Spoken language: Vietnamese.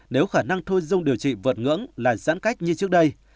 nếu khả năng thôi dung điều trị vượt ngưỡng là giãn cách như trước đây